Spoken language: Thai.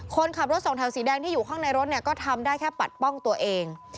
คนขับรถสองแถวสีแดงที่อยู่ข้างในรถเนี่ยก็ทำได้แค่ปัดป้องตัวเอง